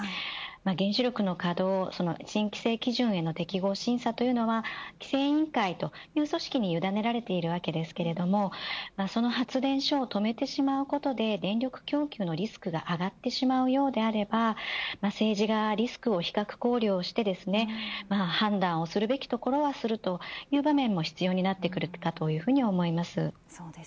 原子力の稼働規制基準への適合審査というのは規制委員会という組織にゆだねられているわけですがその発電所を止めてしまうことで電力供給のリスクが上がってしまうようであれば政治がリスクを比較考慮をして判断をするべきところはするという場面も必要になってくると思います。